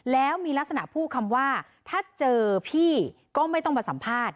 แล้วมีลักษณะพูดคำว่าถ้าเจอพี่ก็ไม่ต้องมาสัมภาษณ